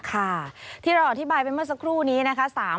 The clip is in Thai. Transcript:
ค่ะที่เราอธิบายไปเมื่อสักครู่นี้นะคะ